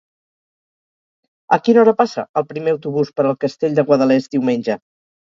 A quina hora passa el primer autobús per el Castell de Guadalest diumenge?